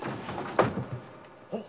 あっ！